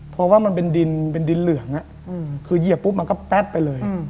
เพราะว่ามันเป็นดินเป็นดินเหลืองคือเหยียบปุ๊บมันก็แป๊บไปเลย